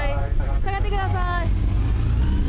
下がってください。